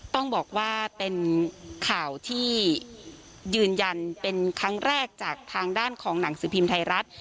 ต้องบอกว่าเป็นข่าวที่ยืนยันเป็นครั้งแรกจากทางด้านของหนังสือพิมพ์ไทยรัฐ